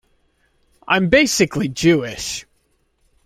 I'm basically Jewish.